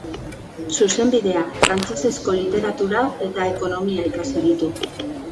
Zuzenbidea, Frantsesezko literatura eta Ekonomia ikasi ditu.